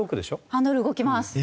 ハンドル動きます。